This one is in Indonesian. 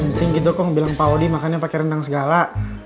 penting gitu kok bilang paudi makannya pake rendang segala